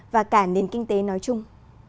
và cả nền kinh tế nói chung